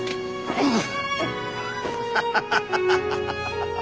ハハハハハ！